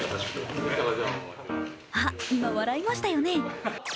あ、今、笑いましたよね？